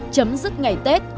chấm dứt ngày tết